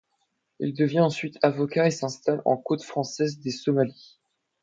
Il devient ensuite avocat et s'installe en Côte française des Somalis.